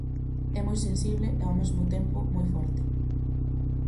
É moi sensible e ao mesmo tempo moi forte.